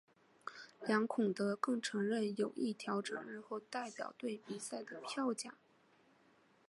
梁孔德更承认有意调整日后代表队比赛的票价。